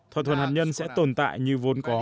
thỏa thuận hạt nhân sẽ tồn tại như vốn có